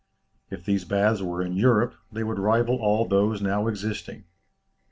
If these baths were in Europe, they would rival all those now existing.